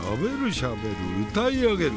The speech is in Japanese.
しゃべる歌い上げる。